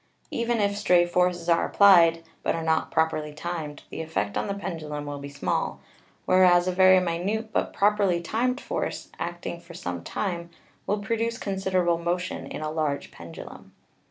Even if stray forces are applied, but are not properly timed, the effect on the pendulum will be small, whereas a very minute but properly timed force, acting for some time, will produce considerable motion in a large pendulum.